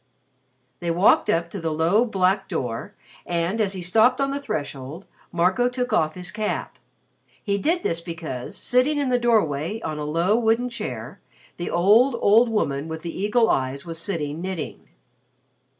They walked up to the low black door and, as he stopped on the threshold, Marco took off his cap. He did this because, sitting in the doorway on a low wooden chair, the old, old woman with the eagle eyes was sitting knitting.